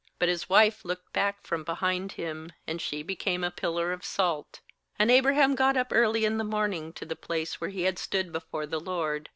^But his wife looked back from behind him, and she became a pillar of salt, 27And Abraham got up early in the morning to the pkce where he had stood before the LORD.